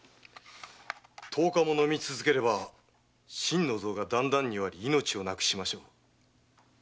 十日も飲み続ければ心の臓がだんだんに弱り命をなくしましょう。